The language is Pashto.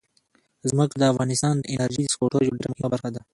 ځمکه د افغانستان د انرژۍ سکتور یوه ډېره مهمه برخه ده.